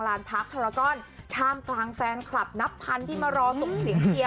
ล้างล้างแฟนคลับนับพันที่มารอสุขเสียงเชียร์